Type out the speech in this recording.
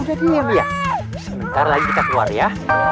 udah diam ya sebentar lagi kita keluar ya